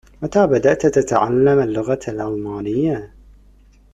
متى بدأت تتعلم اللّغة الألمانية ؟